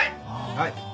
はい！